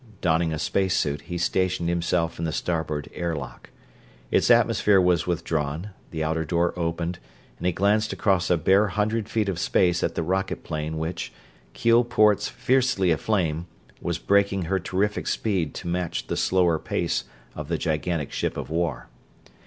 Donning a space suit, he stationed himself in the starboard airlock. Its atmosphere was withdrawn, the outer door opened, and he glanced across a bare hundred feet of space at the rocket plane which, keel ports fiercely aflame, was braking her terrific speed to match the slower pace of the gigantic ship of war.